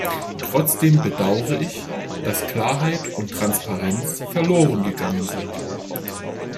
Trotzdem bedaure ich, dass Klarheit und Transparenz verloren gegangen sind.